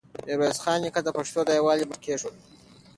ميرويس خان نیکه د پښتنو د يووالي بنسټ کېښود.